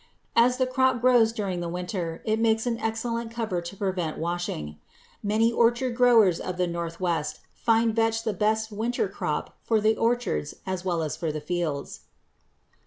As the crop grows during the winter, it makes an excellent cover to prevent washing. Many orchard growers of the Northwest find vetch the best winter crop for the orchards as well as for the fields.